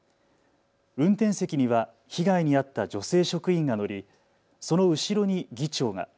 運転席には被害に遭った女性職員が乗りその後ろに議長が。